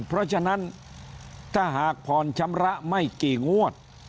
เพราะฉะนั้นถ้าหากผ่อนชำระไม่กี่งวด